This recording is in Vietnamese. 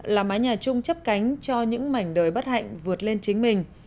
là mái nhà chung chấp cánh cho những mảnh đời bất hạnh vượt lên chính mình